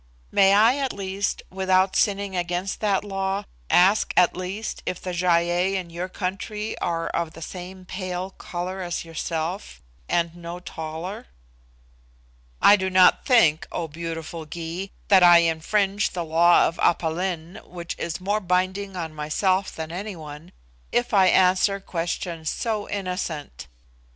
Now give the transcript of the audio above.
"May I, at least, without sinning against that law, ask at least if the Gy ei in your country are of the same pale colour as yourself, and no taller?" "I do not think, O beautiful Gy, that I infringe the law of Aph Lin, which is more binding on myself than any one, if I answer questions so innocent.